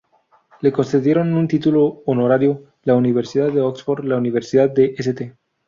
Le concedieron un título honorario la Universidad de Oxford, la Universidad de St.